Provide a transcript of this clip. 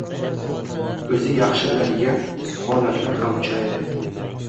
o‘zi yaxshi biladigan” holatlar ham uchraydi.